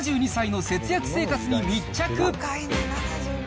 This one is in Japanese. ７２歳の節約生活に密着。